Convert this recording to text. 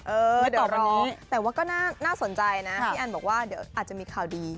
ไม่ตอบร้องแต่ว่าก็น่าสนใจนะพี่แอนบอกว่าเดี๋ยวอาจจะมีข่าวดี